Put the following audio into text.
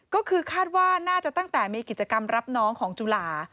ก็คือคาดว่าน่าจะตั้งแต่มีกิจกรรมรับน้องของจุฬา